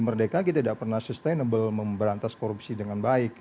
kalau di negri ini merdeka kita tidak pernah sustainable memberantas dengan korupsi dengan baik gitu